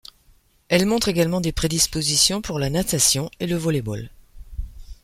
Elle montre également des prédispositions pour la natation et le volley-ball.